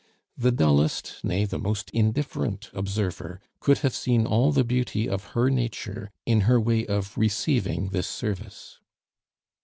The dullest nay, the most indifferent observer could have seen all the beauty of her nature in her way of receiving this service.